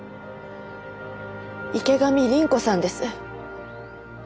池上倫子さんです。